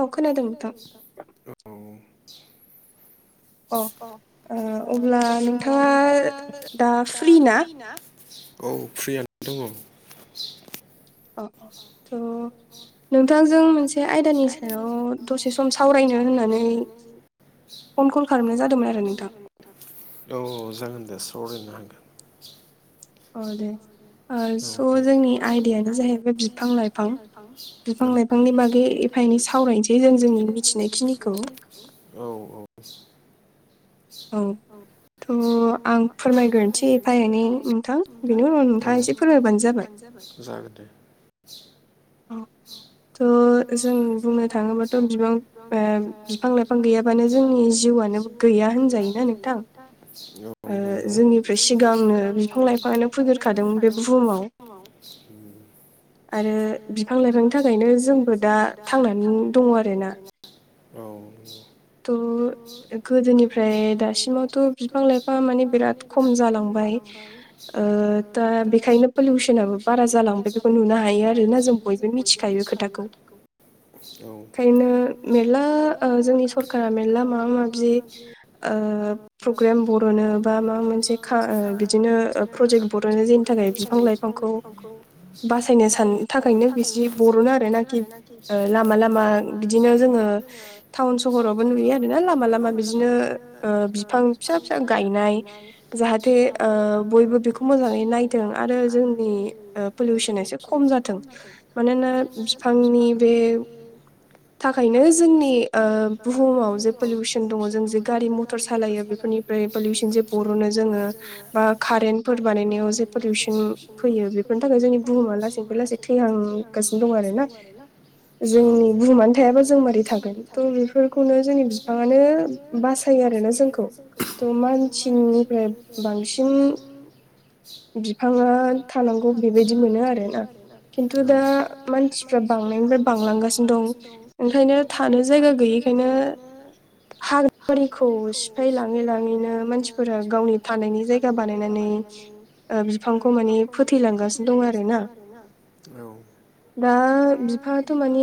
औ खोनादों नोंथां अ आङो अब्ला नोंथाङा दा फ्रि ना? औ फ्रियानो दङ। अ अ थ' नोंथांजों मोनसे आयदानि सायाव दसे सम सावरायनो होननानै फन कल खालामनाय जादोंमोन आरो नोंथां। औ जागोन दे सावरायनो हागोन। अ दे थ' जोंनि आयदायानो जाहैबाय बिफां लाइफां बिफां लाइफांनि बागै एफा एनै सावरायनोसै जों जोंनि मिथिनायखिनिखौ औ औ औ थ' आं फोरमायग्रोनोसै एफा एनै बेनि उनाव नोंथाङा एसे फोरमायबानो जाबाय। जागोन दे औ थ' जों बुंनो थांङोबाथ' बिबां बिफां लाइफां गैयाबानो जोंनि जिउआनो ओरैनो गैया होनजायो ना नोंथां। ओ जोंनिफ्राय सिगाङो बिफां लाइफाङानो फैग्रोखादों बे बुहुमाव। आरो बिफां बिफां लाइफांनि थाखायनो जोंबो दा थांनानै दं आरो ना थ' गोदोनिफ्राय दासिमावथ' बिफां लाइफाङा माने बिराद खम जालांबाय ओ दा बेखायनो पलिउसनाबो बारा जालांबाय नुनो हायो आरोना जों बयबो मि थिखायो खोथाखौ बेखायनो मेरला ओ जोंनि स खारा मेरला माबा माबि ओ प्रग्रेम बर'नो बा माबा मोनसे खा ओ बिदिनो प्रजेक्ट बर'नो जायनि थाखाय बिफां लाइफांखौ बासायनो सान थाखायनो बिसि बर'नो आरो नाखि लामा लामा बिदिनो जोंङो थाउन सह रावबो नुयो आरोना लामा लामा बिदिनो ओ बिफां फिसा फिसा गायनाय। जाहाथे ओ बयबो बेखौ मोजाङै नायथों आरो जोंनि ओ पलिउसना एसे खम जाथों मानोना बिफांनि बे थाखायनो जोंनि ओ बुहुमाव जे पलिउसन दङ जों जे गारि मथर सालायो बेफोरनिफ्राय पलिउसन जे बर'नो जोङो बा कारेन्टफोर बानायनायाव जे पलिउसन फैयो बेफोरनि थाखाय जोंनि बुहुमा लासैनिफ्राय लासै थैहां फैहांगासिनो दं आरोना जोंनि बुहुमानो थायाबा जों मारै थागोन। फोरखौनो जोंनि बिफाङानो बासायो आरोना जोंखौ थ' मानसिनिफ्राय बांसिन बिफाङा थानांगौ बेबायदि मोनो आरोना खिन्थु दा मानसिफ्रा बांनायनिफ्राय बांलांगासिनो दं ओंखायनो थानो जायगा गैयै खायनो हाग्राबारिखौ सिफाय लाङै लाङैनो मानसिफोरा गावनि थानायनि जायगा बानायनानै ओ बिफांखौ माने फोथैलांगासिनो दं आरोना। दा बिफाङाथ' माने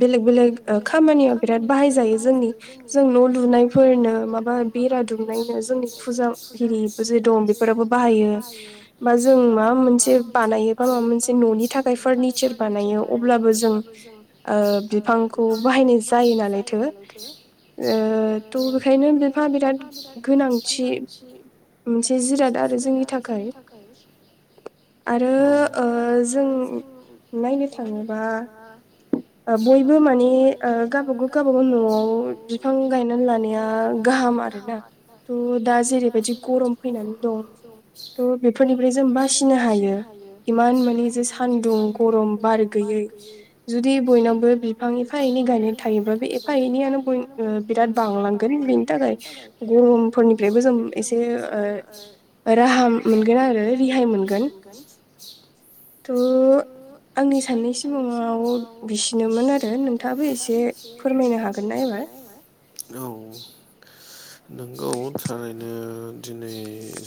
बेलेग बेलेग ओ खामानिया बिराद बाहायजायो जोंनि जों न' लुनायफोरनो माबा बेरा दुमनायनो जोंनि फुजा हिरि जे दं बेफोराबो बाहायो बा जों माबा मोनसे बानायो बा माबा मोनसे न'नि थाखाय फारनिचार बानायो अब्लाबो जों ओ बिफांखौ बाहायनाय बाहायनाय जायोनालायथो ओ त' बेखायनो बिफांया बिराद गोनां थि मोनसे जिराद आरो जोंनि थाखाय आरो ओ जों नायनो थाङोबा ओ बयबो माने ओ गावबागाव गावबाागाव न'आव बिफां गायनानै लानाया गाहाम आरो ना। त' दा जेरैबायदि गरम फैनानै दं त' बेफोरनिफ्राय जों बासिनो हायो। इमान माने जे सान्दुं गरम बार गैयै जुदि बयनावबो बिफां एफा एनै गायनाय थायोब्ला बे एफा एनैयानो बय ओ बिराद बांलांगोन बेनि थाखाय गरम फोरनिफ्रायबो जों एसे ओ राहा मोनगोन आरो रिहाय मोनगोन। [inaudible] थ' आंनि साननाय सिमाव बिसिनोमोन आरो नोंथाङाबो एसे फोरमायनो हागोनना एबार? [inaudible] औ। नोंगौ थारैनो दिनै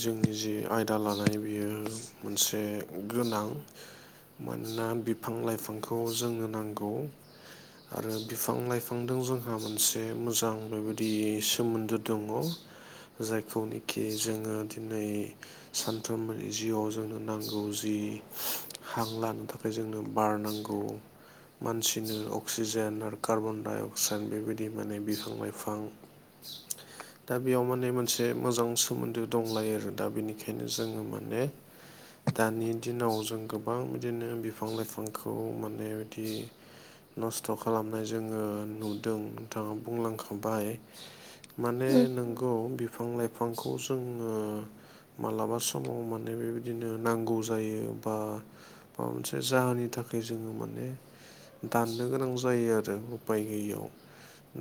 जोंनि जि आयदा लानाय बियो मोनसे गोनां मानोना बिफां लाइफांखौ जोंनो नांगौ। आरो बिफां लाइफांदों जोंहा मोनसे मोजां बेबायदि सोमोन्दो दङ। जायखौनोखि जोङो दिनै सानफ्रोमबोनि जिउआव जोंनो नांगौ जि हां लानो थाखाय जोंनो बार नांगौ मानसिनो अक्सिजेन आरो कार्बन डाइ अक्साइड बेबायदि माने बिफां लाइफां [inaudible] दा बेयाव माने मोनसे मोजां सोमोन्दो दंलायो आरो दा बेनिखायनो जोङो माने दानि दिनाव जों गोबां बिदिनो बिफां लाइफांखौ माने बिदि नस्थ' खालामनाय जोङो नुदों नोंथाङा बुंलांखाबाय। माने नोंगौ बिफां लाइफांखौ जोंनो मालाबा समाव माने बेबायदिनो नांगौ जायो बा माबा मोनसे जाहोननि थाखाय जोङो माने दाननो गोनां जायो आरो उपाय गैयियाव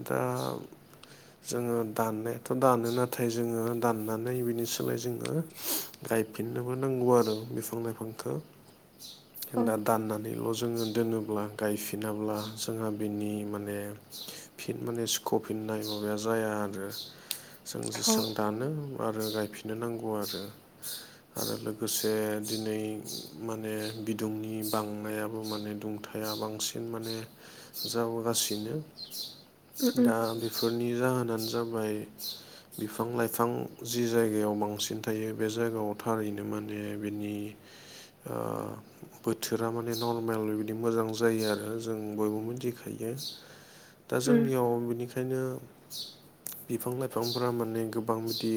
दा जोङो दाननायाथ' दानो नाथाय जोङो दाननानै बिनि सोलाय जों ओ गायफिननोबो नांगौ आरो बिफां लाइफांखौ दान दाननानैल' जोङो दोनोब्ला गायफिनाब्ला जोंहा बिनि माने फिन माने सुख'फिननाय माबाया जाया आरो जों जेसां दानो आरो गायफिननो नांगौ आरो आरो लोगोसे दिनै माने बिदुंनि बांनायाबो माने दुंथाया बांसिन माने जाबोगासिनो दा बे फोरनि जाहोनानो जाबाय बिफां लाइफां जि जायगायाव बांसिन थायो बे जायगायाव थारैनो माने बिनि ओ बोथोरा माने नर्मेल बिदि मोजां जायो आरो जों बयबो मोनथिखायो। [inaudible] दा जोंनियाव बिनिखायनो बिफां लाइफांफोरा माने गोबां बिदि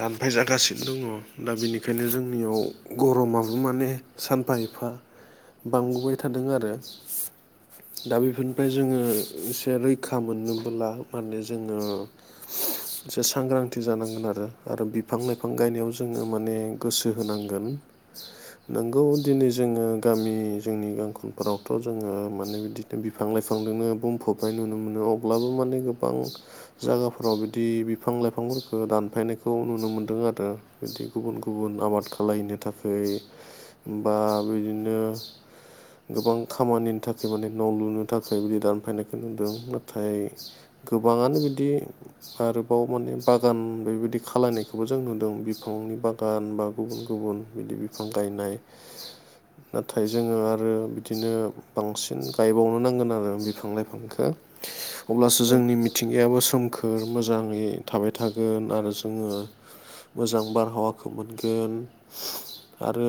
दानफायजागासिनो दङ दा बेनिखायनो जों नियाव गरमाबो माने सानफा एफा बांबोबाय थादों आरो दा बेफोरनिफ्राय जोङो एसे रैखा मोननोबोला माने जोङो से सांग्रांथि जानांगोन आरो आरो बिफां लाइफां गायनायाव जोङो माने गोसो हो होनांगोन। [inaudible] नोंगौ दिनै जोंङो गामि जोंनि ओंखोलफोरावथ' जोंङो माने बिदि बिफां लाइफांजोंनो बुंफबनाय नुनो मोनो अब्लाबो माने गोबां। जागाफोराव बिदि बिफां लाइफांफोरखो दानफायनायखौ नुनो मोनदों आरो। बिदि गुबुन गुबुन आबाद खालायनो थाखाय बा बिदिनो गोबां खामानिनि थाखाय माने न' लुनो थाखाय बिदि दानफायनायखौ नुदों नाथाय गोबाङानो बिदि आरोबाव माने बागान बेबायदि खालायनायखौबो जों नुदों बिफांनि बागान बा गुबुन गुबुन बिदि बिफां गायनाय। [inaudible] नाथाय जोङो आरो बिदिनो बांसिन गायबावनो नांगोन आरो बिफां लाइफांखो [inaudible] अब्लासो जोंनि मिथिंगायाबो सोमखो फोर मोजाङै थाबाय थागोन आरो जोङो मोजां बारहावाखौ मोनगो गोन आरो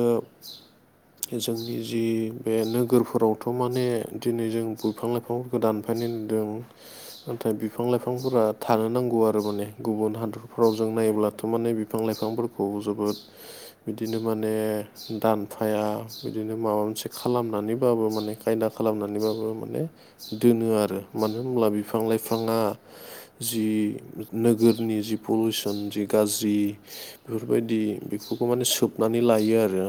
[inaudible] जोंनि जि बे नोगोरफोरावथ' माने दिनै जों बिफां लाइफां दानफायनाय नुदों। नाथाय बिफां लाइफांफोरा थानो नांगौ आरो माने गुबुन हादरफोराव जों नायोब्लाथ' माने [unintelligible] बिफां लाइफांफोरखौ जोबोद बिदिनो माने दानफाया बिदिनो माबा मोनसे खालामनानैबाबो माने खायदा खालामनानैबाबो माने दोनो आरो मानो होनब्ला बिफां लाइफाङा जि नोगोरनि जि पलिउसन जि गाज्रि बेफोरबायदि बेफोरखौ माने सोबनानै लायो आरो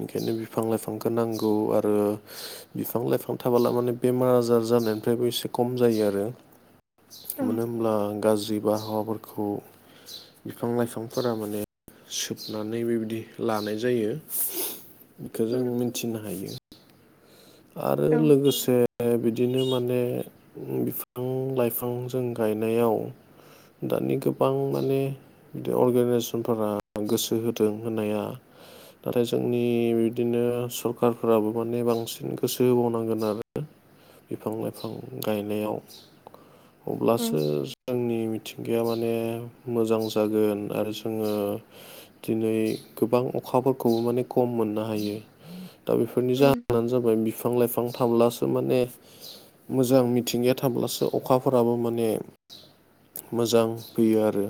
ओंखायनो बिफां लाइफांखौ नांगौ आरो बिफां लाइफां थाबोला माने बेमार आजार जानायनिफ्रायबो एसे खम जायो आरो मानो होमब्ला गाज्रि बारहावाफोरखौ बिफां लाइफांफोरा माने सोबनानै बेबायदि लानाय जायो बेखौ जों मिथिनो हायो। आरो लोगोसे बिदिनो माने बिफां लाइफां जों गायनायाव दानि गोबां माने बिदि अर्गेनाइजेसनफोरा गोसो होदों होनाया नाथाय जोंनि बिदिनो सरखारफोराबो माने बांसिन गोसो होबावनांगोन आरो बिफां लाइफां गायनायाव अब्लासो जोंनि मिथिंगाया माने मोजां जागोन आरो जोङो दिनै गोबां अखाफोरखौबो माने खम मोननो हायो। दा बेफोरनि जाहोनानो जाबाय बिफां लाइफां थाब्लासो माने मोजां मिथिंगाया थाब्लासो अखाफोराबो माने मोजां फैयो आरो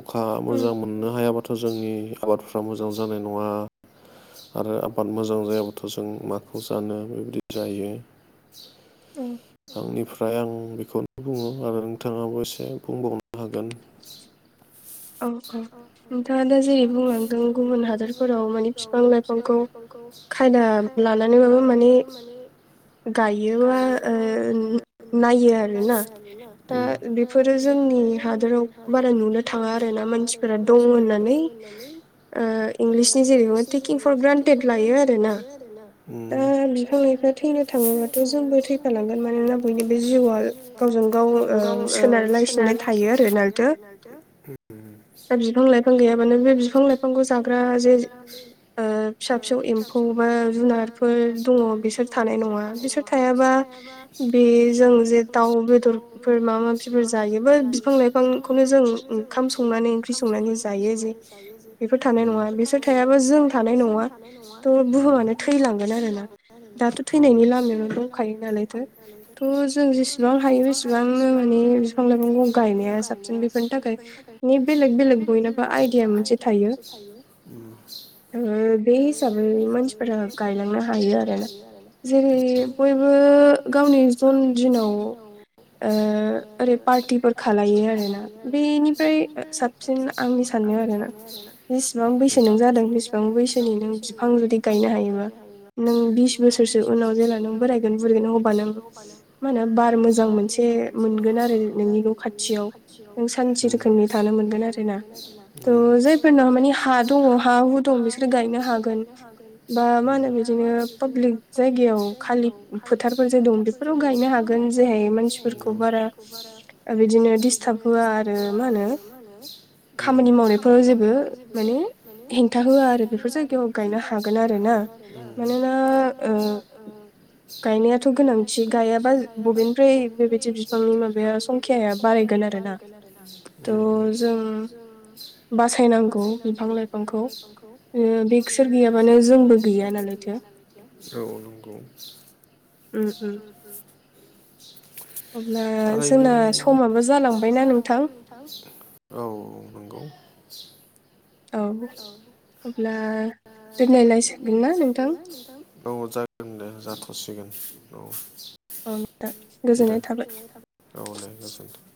अखा मोजां मोननो हायाबा थ' जोंनि आबादफ्रा मोजां जानाय नङा। आरो आबाद मोजां जायाबाथ' जों माखौ जानो बेबायदि जायो। औ आंनिफ्राय आं बेखौनो बुङो आरो नोंथाङाबो एसे बुंबावनो हागोन [unintelligible] नोंथाङा दा जेरै बुंलांदों गुबुन हादरफोराव माने फिफां लाइफांखौ खायदा लानानैबाबो माने गायोबा ओ [unintelligible] नायो आरोना दा बेफोरो जोंनि हादोराव बारा नुनो थां थाङा आरो ना मानसिफोरा दं होननानै ओ इंलिसनि जेरैबा टेकिं फर ग्रान्टेड लायो आरो ना ओ बिफां लायफां थैनो थाङोबाथ' जोंबो थैफालांगोन। मानोना बयनिबो बे जिउआ गावजों गाव ओ सोनारलायसिननाय थायो आरो नालायथो [unintelligible] दा बिफां लाइफां गैयाबानो बे बिफां लाइफांखौ जाग्रा जे ओ फिसा फिसौ एम्फौ बा जुनारफोर दङ बिसोर थानाय नङा बिसोर थायाबा बे जों जे दाउ बेदरफोर माबा माबिफोर जायोबो बिफां लाइफांखौनो जों ओंखाम संनानै ओंख्रि संनानै जायो जे बेफोर थानाय नङा बिसोर थायाबा जों थानाय नङा। थ' बुहुमानो थैलांगोन आरो ना दाथ' थैनायनि लामायावनो दंखायो नालायथो। थ' जों जेसेबां हायो बेसेबां माने बिफां लाइफांखौ गायनाया साबसिन बेफोरनि थाखाय बे बेलेग बेलेग बबा आइरिया मोनसे थायो। बे हिसाबै मानसिफोरा गायलांनो हायो आरो। जेरै बयबो गावनि जन दिनाव ओ ओरै पार्टिफोर खालायो आरोना। बेनि ओमफ्राय साबसिन आंनि साननाय आरो ना जसिबां बैसो नों जादों बेसिबां बिबां बैसोनि नों बिफां जुदि गायनो हायोबा नों बिस बोसोरसो उनाव जेला नों बोरायगोन बुरैगोन अबा नों मा होनो बार मोजां मोनसे मोनगोन आरो नों सानसे रोखोमनि थानो मोनगोन आरोोना थह जायफोरनाव मानानि हा दङ हा हु दं बिसोरो गायनो हागोन। हागोना मा होनो बिदिनो पाब्लिक जायगायाव फोथारफोर जे दं बेफोराव गायनो हागोन। जेहाय मानसिफोरखौ बारा बिदिनो दिडिस्ट्ब होआ आरो मा होनो [inaudible] बे जायगायाव गायनो हागोन आरोना मानोना ओ ' गोनांथि गायाबा बबेनिफ्राय बेबायदि बिफांनि माबाया संखाया बारायगोन आरो। बारगोन आरो ना। थ' जों बासायनांगौ बिफां लाइफांखौ बेसोर गैयाबानो जोंबो गैया नालाय औ औ नोंगौ। उम उम। अब्ला जोंना समाबो जालांबायना नोंथां। औ औ नंगौ। औ अब्ला दोननायलायसिगोन ना नोंथां। औ जागोन दे जाथ'सिगोन औ दे। औ दे गोजोनथों।